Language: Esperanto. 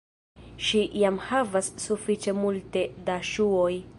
Ŝi jam havas sufiĉe multe da ŝuoj